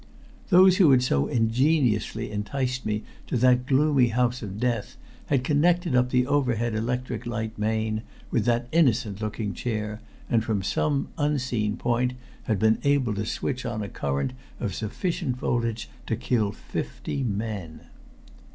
Those who had so ingeniously enticed me to that gloomy house of death had connected up the overhead electric light main with that innocent looking chair, and from some unseen point had been able to switch on a current of sufficient voltage to kill fifty men.